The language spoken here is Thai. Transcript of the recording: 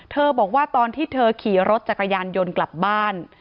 บอกว่าตอนที่เธอขี่รถจักรยานยนต์กลับบ้าน